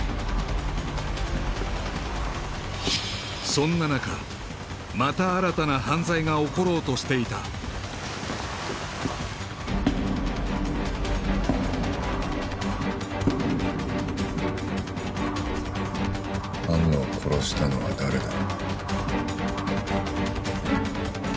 そんな中また新たな犯罪が起ころうとしていた安野を殺したのは誰だ？